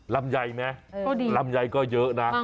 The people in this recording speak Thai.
ลำใยเนี่ยลำใยก็เยอะนะ